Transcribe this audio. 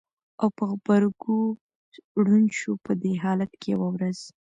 او په غبرګو ړوند شو! په دې حالت کې یوه ورځ